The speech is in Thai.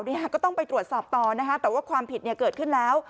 นี่ค่ะก็ต้องไปตรวจสอบต่อนะคะแต่ว่าความผิดเนี่ยเกิดขึ้นแล้ว